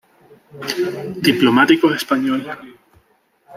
Diplomático español.